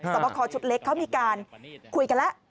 บคอชุดเล็กเขามีการคุยกันแล้ว